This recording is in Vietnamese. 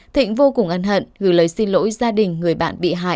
thịnh vô cùng ân hận gửi lời xin lỗi gia đình người bạn bị hại